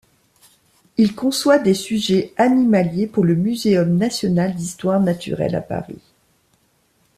Il conçoit des sujets animaliers pour le Muséum national d'histoire naturelle à Paris.